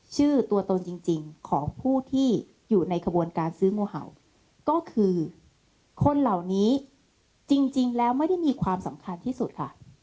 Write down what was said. ชื่อตัวตนจริงของผู้ที่อยู่ในขบวนการซื้องูเห่าก็คือคนเหล่านี้จริงแล้วไม่ได้มีความสำคัญที่สุดค่ะ